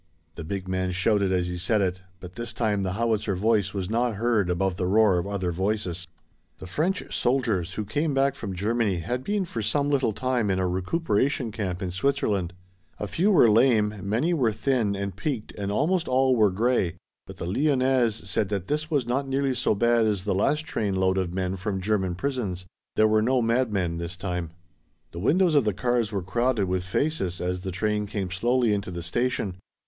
'" The big man shouted as he said it, but this time the howitzer voice was not heard above the roar of other voices. The French soldiers who came back from Germany had been for some little time in a recuperation camp in Switzerland. A few were lame, many were thin and peaked and almost all were gray, but the Lyonnaise said that this was not nearly so bad as the last train load of men from German prisons. There were no madmen this time. The windows of the cars were crowded with faces as the train came slowly into the station.